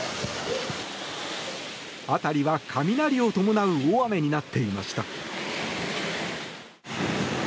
辺りは雷を伴う大雨になっていました。